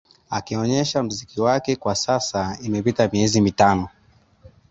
akionyesha mziki wake kwa sasa imepita miezi mitano